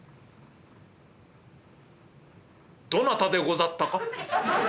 「どなたでござったか？」。